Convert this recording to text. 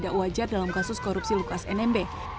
dan itu wajar dalam kasus korupsi lukas nmb